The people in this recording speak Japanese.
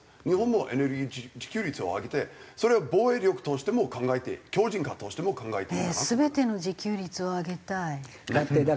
日本もエネルギー自給率を上げてそれを防衛力としても考えて強靭化としても考えていかなきゃなと。